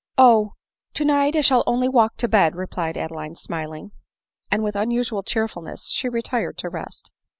" Oh, to night I shall only walk to bed," replied Adeline smiling, and with unusual cheerfulness she retired to rest.